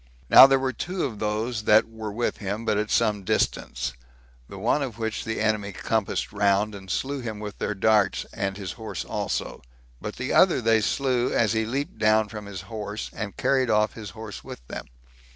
Now there were two of those that were with him, but at some distance; the one of which the enemy compassed round, and slew him with their darts, and his horse also; but the other they slew as he leaped down from his horse, and carried off his horse with them.